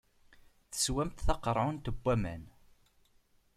Teswamt taqeṛɛunt n waman.